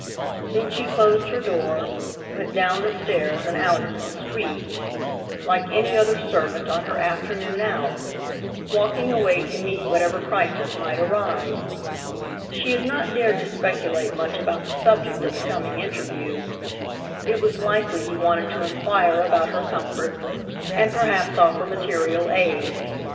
Then she closed her door, went down the stairs and out into the street, like any other servant on her afternoon out, walking away to meet whatever crisis might arise. She had not dared to speculate much about the subject of the coming interview. It was likely he wanted to inquire about her comfort, and perhaps offer material aid.